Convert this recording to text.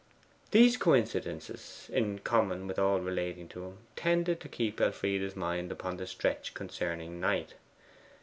These coincidences, in common with all relating to him, tended to keep Elfride's mind upon the stretch concerning Knight.